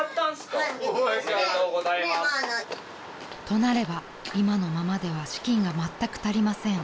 ［となれば今のままでは資金がまったく足りません］